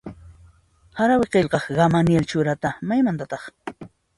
Harawi qillqaq Gamaliel Churata maymantataq?